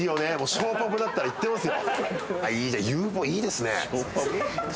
ショーパブだったらいってますよ。